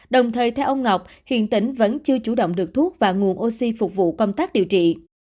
đồng thời theo ông ngọc hiện tỉnh vẫn chưa chủ động được thuốc và nguồn oxy phục vụ công tác điều trị